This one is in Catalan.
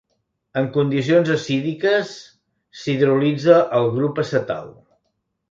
En condicions acídiques, s'hidrolitza el grup acetal.